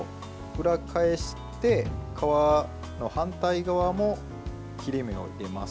裏返して、皮の反対側も切れ目を入れます。